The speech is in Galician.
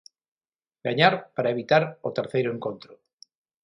Gañar para evitar o terceiro encontro.